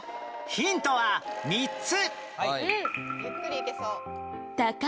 ヒントは３つ！